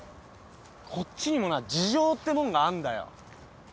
こっちにもな事情ってもんがあんだよ。